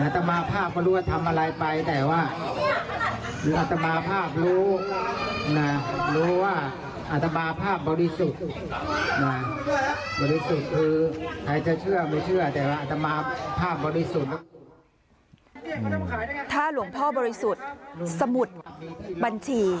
ถ้าหลวงพ่อบริสุทธิ์สมุดบัญชี